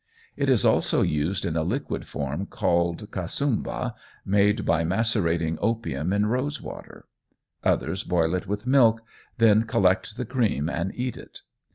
It is also used in a liquid form called Kusambah made by macerating opium in rose water; others boil it with milk, then collect the cream and eat it.